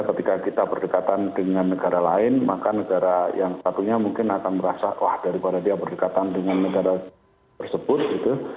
ketika kita berdekatan dengan negara lain maka negara yang satunya mungkin akan merasa wah daripada dia berdekatan dengan negara tersebut gitu